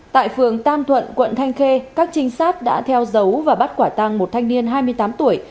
tại phường tam thuận quận thanh khê các trinh sát đã theo dấu và bắt quả tăng một thanh niên hai mươi tám tuổi